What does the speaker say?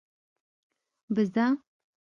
🐐 بزه